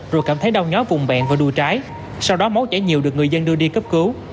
rồi cảm thấy đau nhó vùng bạn và đuôi trái sau đó máu chảy nhiều được người dân đưa đi cấp cứu